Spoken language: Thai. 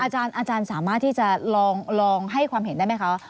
อาจารย์สามารถที่จะลองให้ความเห็นได้ไหมคะ